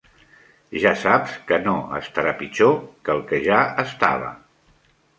Ja saps que no estarà pitjor que el que ja estava.